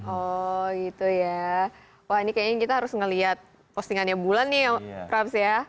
oh gitu ya wah ini kayaknya kita harus ngelihat postingannya bulan nih ya